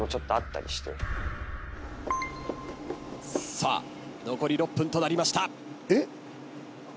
さあ残り６分となりました。